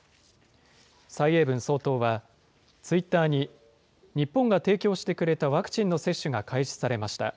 蔡英文総統は、ツイッターに、日本が提供してくれたワクチンの接種が開始されました。